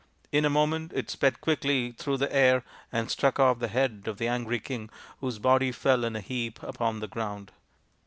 In a moment it sped quickly through the air and struck off the head of the angry king, whose body fell in a heap upon the ground.